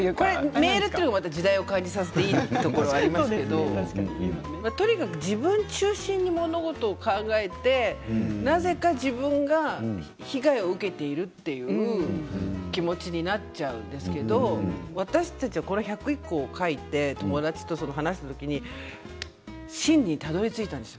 メールというのが時代を感じさせていいところありますがとにかく自分中心に物事を考えてなぜか自分が被害を受けているという気持ちになっちゃうんですけど私たちは１０１個を書いて友達と話した時に真意にたどりついたんです。